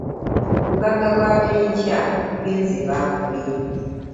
Obuggagga bw'abenkya bugenze baabuwe